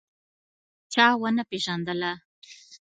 چا نه پېژندله.